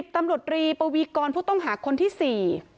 ตำรวจรีปวีกรผู้ต้องหาคนที่สี่